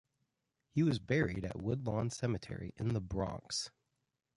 He was buried at Woodlawn Cemetery in The Bronx.